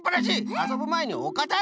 あそぶまえにおかたづけをね。